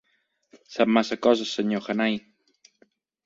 Sap massa coses, senyor Hannay.